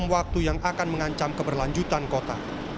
waktu yang akan mengancam keberlanjutan kota